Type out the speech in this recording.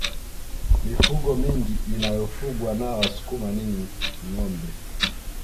mifugo mingi inayofugwa na wasukuma ni ngombe